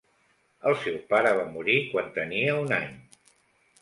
El seu pare va morir quan tenia un any.